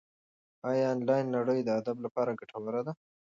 ایا انلاین نړۍ د ادب لپاره ګټوره ده؟